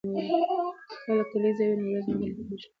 که کلیزه وي نو ورځ نه غلطیږي.